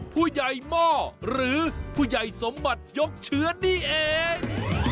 ผู้ใหญ่หม้อหรือผู้ใหญ่สมบัติยกเชื้อนี่เอง